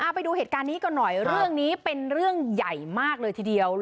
ไปดูเหตุการณ์นี้กันหน่อยเรื่องนี้เป็นเรื่องใหญ่มากเลยทีเดียว